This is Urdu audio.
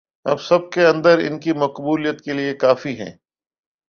ہم سب کے اندر ان کی مقبولیت کے لئے کافی ہیں